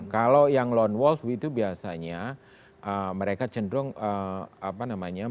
kalau yang lone wolf itu biasanya mereka cenderung apa namanya